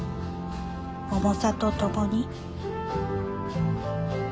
重さとともに。